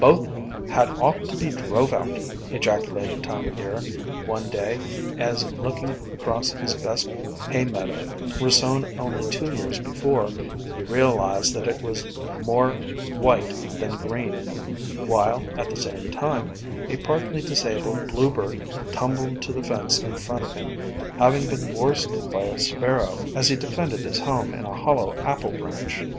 "Both had ought to be drove out!" ejaculated Time o' Year one day as, looking across his best hay meadow, resown only two years before, he realized that it was more white than green, while, at the same time, a partly disabled bluebird tumbled to the fence in front of him, having been worsted by a sparrow as he defended his home in a hollow apple branch.